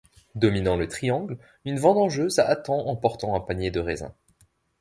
Dominant le triangle, une vendangeuse attend en portant un panier de raisins.